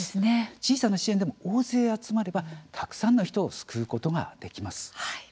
小さな支援でも大勢集まればたくさんの人を救うことができます。